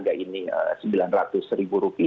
dan kemudian untuk alat ilmu neben mic